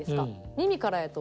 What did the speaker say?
耳からやと。